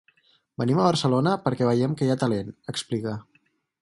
Venim a Barcelona perquè veiem que hi ha talent, explica.